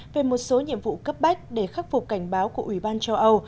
về một số nhiệm vụ cấp bách để khắc phục cảnh báo của ủy ban châu âu